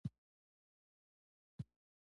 نه پوهېدم ولې د امین تصویر زما سترګو ته درېږي.